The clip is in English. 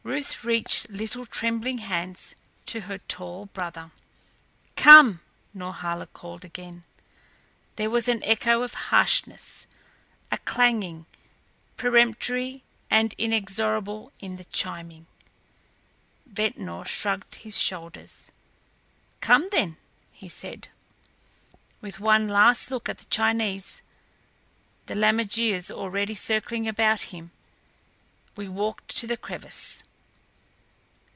Ruth reached little trembling hands to her tall brother. "Come!" Norhala called again. There was an echo of harshness, a clanging, peremptory and inexorable, in the chiming. Ventnor shrugged his shoulders. "Come, then," he said. With one last look at the Chinese, the lammergeiers already circling about him, we walked to the crevice.